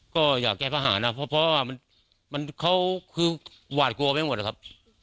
ก็อยากแก้ปัญหานะเพราะว่าเขาคือหวาดกลัวไปหมดนะครับ